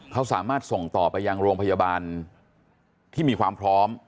เขาสามารถส่งต่อไปยังโรงพยาบาลที่มีความพร้อม